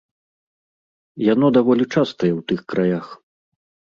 Яно даволі частае ў тых краях.